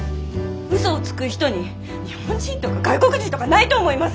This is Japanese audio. うそをつく人に日本人とか外国人とかないと思います！